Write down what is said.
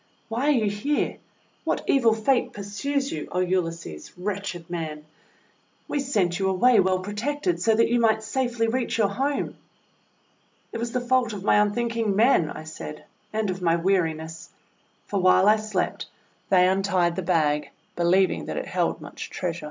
"Why are you here? What evil Fate pursues you, O Ulysses, wretched man? We sent you away well protected, so that you might safely reach your home!' :*It was the fault of my unthinking men," I said, "and of my weariness. For while I slept they untied the bag, believing that it held much treasure."